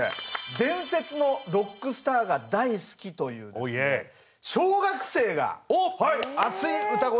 伝説のロックスターが大好きという小学生が熱い歌声を響かせます。